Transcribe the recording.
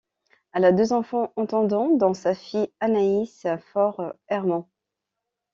Elle a deux enfants entendants dont sa fille Anais Faure-Herman.